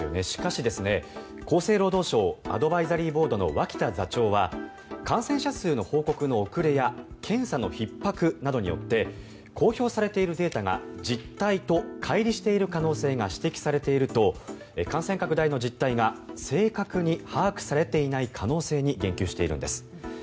しかし、厚生労働省アドバイザリーボードの脇田座長は感染者数の報告の遅れや検査のひっ迫などによって公表されているデータが実態とかい離している可能性が指摘されていると感染拡大の実態が正確に把握されていない可能性に言及しているんです。